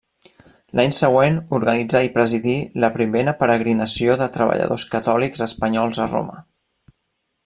L'any següent organitzà i presidí la primera peregrinació de treballadors catòlics espanyols a Roma.